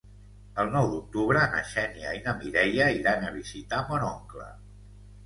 El nou d'octubre na Xènia i na Mireia iran a visitar mon oncle.